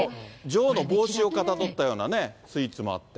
女王の帽子をかたどったようなね、スイーツもあって。